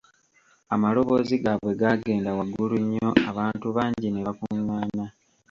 Amaloboozi gaabwe gaagenda waggulu nnyo abantu bangi ne bakungaana.